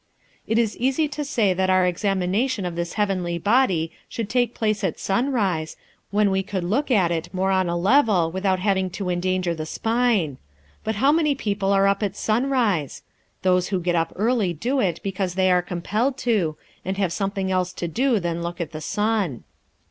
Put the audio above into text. It is easy to say that our examination of this heavenly body should take place at sunrise, when we could look at it more on a level, without having to endanger the spine. But how many people are up at sunrise? Those who get up early do it because they are compelled to, and have something else to do than look at the sun.